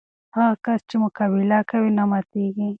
هغه کس چې مقابله کوي، نه ماتېږي.